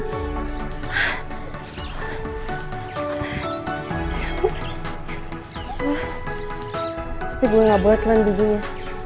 tapi gue gak boleh telan bijinya